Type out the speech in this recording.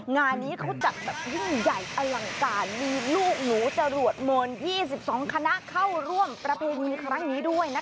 งานนี้เขาจัดแบบยิ่งใหญ่อลังการมีลูกหนูจรวดมนต์๒๒คณะเข้าร่วมประเพณีครั้งนี้ด้วยนะคะ